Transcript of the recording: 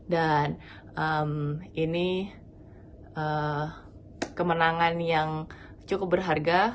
dan ini kemenangan yang cukup berharga